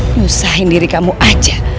nusahin diri kamu aja